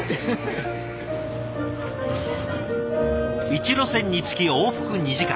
１路線につき往復２時間。